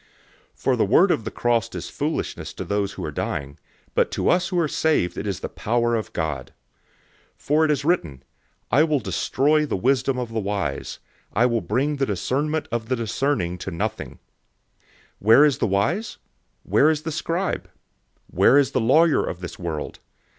001:018 For the word of the cross is foolishness to those who are dying, but to us who are saved it is the power of God. 001:019 For it is written, "I will destroy the wisdom of the wise, I will bring the discernment of the discerning to nothing."{Isaiah 29:14} 001:020 Where is the wise? Where is the scribe? Where is the lawyer of this world?